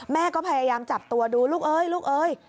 แม่ก็พยายามจับตัวดูลูกเอ๊ย